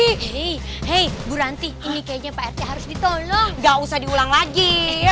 hai hei hei buranti ini kayaknya pak rete harus ditolong gak usah diulang lagi